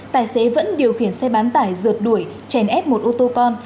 tài xế vẫn điều khiển xe bán tải rượt đuổi chèn ép một ô tô con